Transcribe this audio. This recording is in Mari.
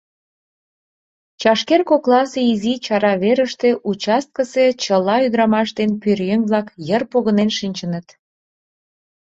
Чашкер кокласе изи чара верыште участкысе чыла ӱдырамаш ден пӧръеҥ-влак йыр погынен шинчыныт.